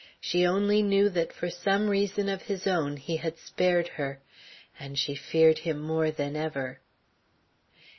She only knew that for some reason of his own he had spared her, and she feared him more than ever.